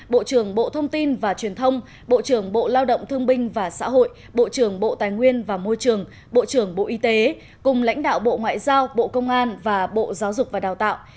bộ trưởng bộ thông tin và truyền thông bộ trưởng bộ lao động thương binh và xã hội bộ trưởng bộ tài nguyên và môi trường bộ trưởng bộ y tế cùng lãnh đạo bộ ngoại giao bộ công an và bộ giáo dục và đào tạo